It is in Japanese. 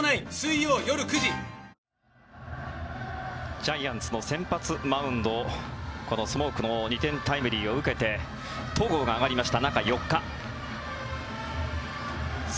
ジャイアンツの先発マウンドこのスモークの２点タイムリーを受けて戸郷が上がりました。